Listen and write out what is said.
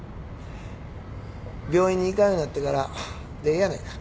病院に行かんようになってからでええやないか。